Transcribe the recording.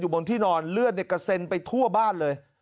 อยู่บนที่นอนเลือดเนี่ยกระเซ็นไปทั่วบ้านเลย